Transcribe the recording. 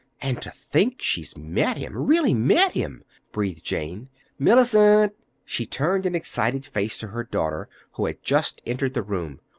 And to think she's met him—really met him!" breathed Jane. "Mellicent!" She turned an excited face to her daughter, who had just entered the room.